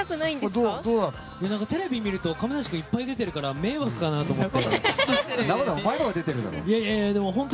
テレビ見ると亀梨君いっぱい出てるから迷惑かなと思って。